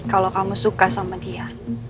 kalau kamu suka sama dia